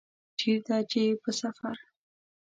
چیرته چي په سفر